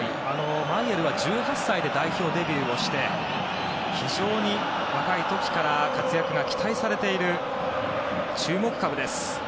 マイェルは１８歳で代表デビューをして非常に若い時から活躍が期待されている注目株です。